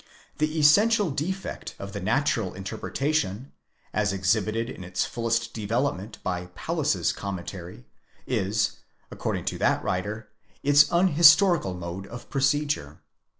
The essential defect of the natural interpretation, as exhibited in its fullest development by Paulus's Commentary, is, according to that writer, its unhistorical mode of procedure.